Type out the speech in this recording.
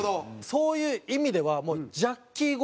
そういう意味では。